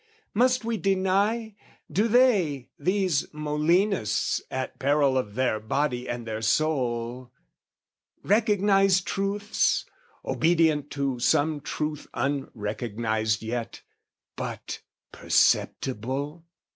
Must we deny, do they, these Molinists, At peril of their body and their soul, Recognised truths, obedient to some truth Unrecognised yet, but perceptible?